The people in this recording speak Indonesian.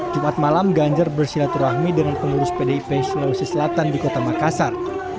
jumat malam ganjar bersilaturahmi dengan pengurus pdip sulawesi selatan di kota makassar